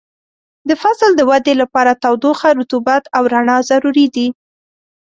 د فصل د ودې لپاره تودوخه، رطوبت او رڼا ضروري دي.